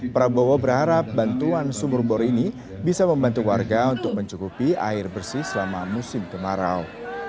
prabowo berharap bantuan sumur bor ini bisa membantu warga untuk mencukupi air bersih selama musim kemarau